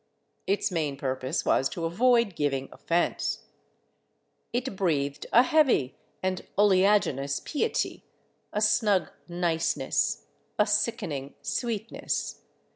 Its main purpose was to avoid giving offense; it breathed a heavy and oleaginous piety, a snug niceness, a sickening sweetness.